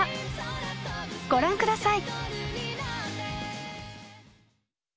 ご覧ください！